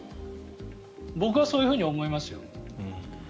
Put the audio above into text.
僕はそういうふうに思いますよ。